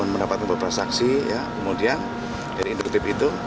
mendapatkan beberapa saksi kemudian dari induktif itu